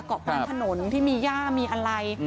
เกาะกลางถนนที่มีย่ามีอะไร